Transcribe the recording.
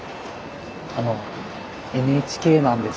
あのＮＨＫなんですけど。